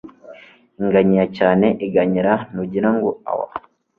Inganyi ya cyane iganyira nugira ngo awa